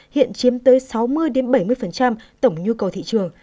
hiện chiếm tới sáu mươi bảy mươi tổng nhu cầu thị trường